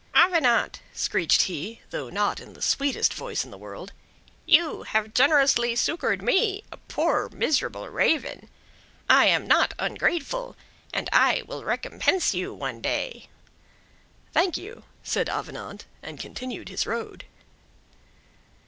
"Avenant," screeched he, though not in the sweetest voice in the world, "you have generously succored me, a poor miserable Raven. I am not ungrateful, and I will recompense you one day." "Thank you," said Avenant, and continued his road.